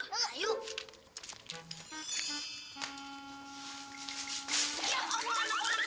ya allah anak anak kita berang